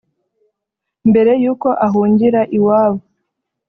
Mbere y’uko ahungira iwabo